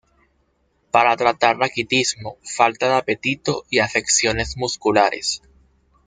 Para tratar raquitismo, falta de apetito y afecciones musculares.